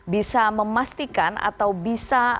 bisa memastikan atau bisa